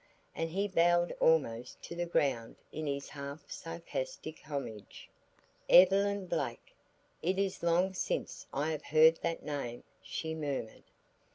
And he bowed almost to the ground in his half sarcastic homage. "Evelyn Blake! It is long since I have heard that name," she murmured.